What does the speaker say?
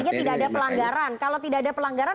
saja tidak ada pelanggaran kalau tidak ada pelanggaran